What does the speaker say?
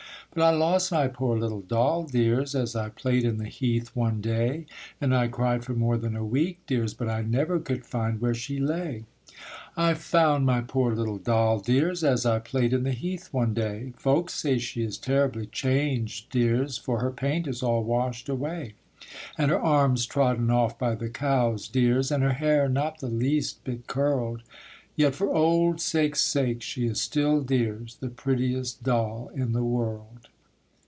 But I lost my poor little doll, dears, As I played in the heath one day; And I cried for more than a week, dears, But I never could find where she lay. I found my poor little doll, dears, As I played in the heath one day: Folks say she is terribly changed, dears, For her paint is all washed away, And her arms trodden off by the cows, dears And her hair not the least bit curled: Yet for old sakes' sake she is still, dears, The prettiest doll in the world.